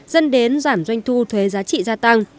dẫn đến giảm doanh thu thuế giá trị gia tăng